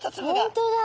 本当だ。